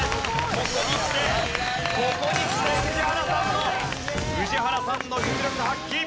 ここにきてここにきて宇治原さんの宇治原さんの実力発揮！